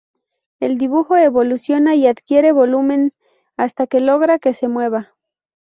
El dibujo evoluciona y adquiere volumen, hasta que logra que se mueva.